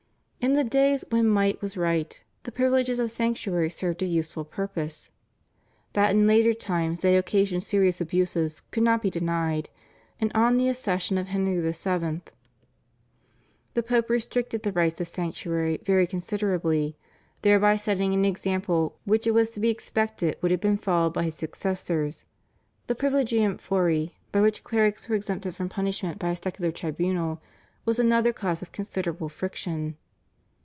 In the days when might was right the privileges of sanctuary served a useful purpose. That in later times they occasioned serious abuses could not be denied, and on the accession of Henry VII. the Pope restricted the rights of sanctuary very considerably, thereby setting an example which it was to be expected would have been followed by his successors. The /privilegium fori/, by which clerics were exempted from punishment by a secular tribunal, was another cause of considerable friction.